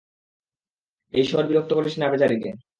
এই সর বিরক্ত করিস না বেচারি কে।